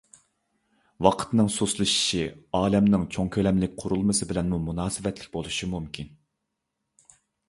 ۋاقىتنىڭ سۇسلىشىشى ئالەمنىڭ چوڭ كۆلەملىك قۇرۇلمىسى بىلەنمۇ مۇناسىۋەتلىك بولۇشى مۇمكىن.